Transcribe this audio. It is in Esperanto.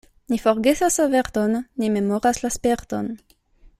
Ni forgesas averton, ni memoras la sperton.